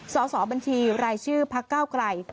สอบบัญชีรายชื่อพักเก้าไกล